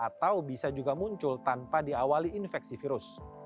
atau bisa juga muncul tanpa diawali infeksi virus